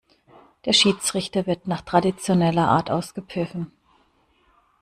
Der Schiedsrichter wird nach traditioneller Art ausgepfiffen.